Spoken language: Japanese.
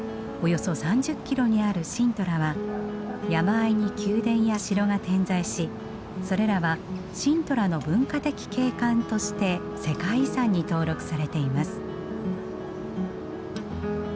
およそ３０キロにあるシントラは山あいに宮殿や城が点在しそれらはシントラの文化的景観として世界遺産に登録されています。